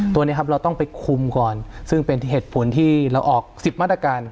ตัวนี้ครับเราต้องไปคุมก่อนซึ่งเป็นเหตุผลที่เราออก๑๐มาตรการ